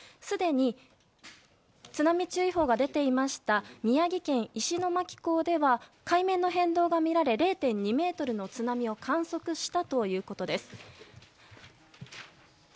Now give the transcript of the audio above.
すでに津波注意報が出ていました宮城県石巻港では海面の変動が見られ０．２ｍの津波を観測したということです。